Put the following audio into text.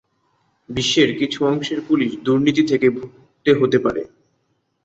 বিশ্বের কিছু অংশের পুলিশ দুর্নীতি থেকে ভুগতে হতে পারে।